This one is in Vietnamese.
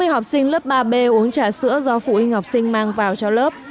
hai mươi học sinh lớp ba b uống trà sữa do phụ huynh học sinh mang vào cho lớp